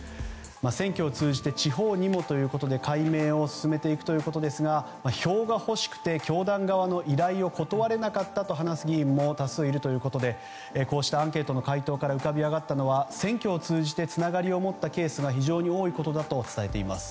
選挙を通じて地方にもということで解明を進めていくということですが票が欲しくて教団側の依頼を断れなかったと話す議員も多数いるということでこうしたアンケートの回答から浮かび上がったのは選挙を通じてつながりを持ったケースが非常に多いことだと伝えています。